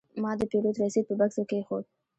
ما د پیرود رسید په بکس کې کېښود.